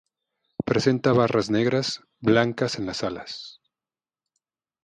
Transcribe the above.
Presenta barras negras, blancas en las alas.